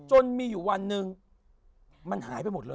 จนมีอยู่วันหนึ่งมันหายไปหมดเลย